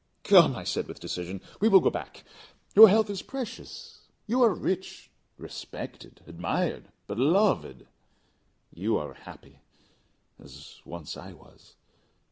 "Come," I said, with decision, "we will go back; your health is precious. You are rich, respected, admired, beloved; you are happy, as once I was.